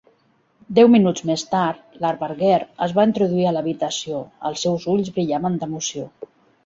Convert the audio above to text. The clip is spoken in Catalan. Deu minuts més tard, l'alberguer es va introduir a l'habitació, els seus ulls brillaven d'emoció.